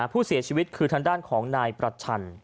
ผู้เสียชีวิตคือทางด้านของนายประชัน